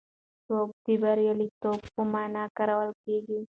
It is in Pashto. سوب د بریالیتوب په مانا کارول کېږي.